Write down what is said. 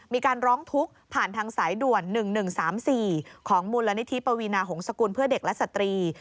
มีการร้องทุกข์ผ่านทางสายด่วน๑๑๓๔ของมูลนิธิปวีนาหงษกุลเพื่อเด็กและสตรี